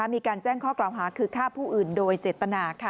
มีการแจ้งข้อกล่าวหาคือฆ่าผู้อื่นโดยเจตนา